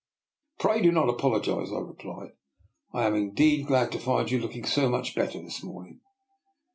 " Pray do not apologise," I replied. " I am indeed glad to find you looking so much better this morning."